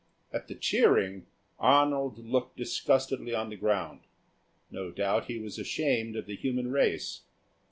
At the cheering, Arnold looked disgustedly on the ground; no doubt he was ashamed of the human race.